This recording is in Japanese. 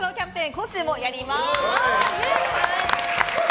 今週もやります。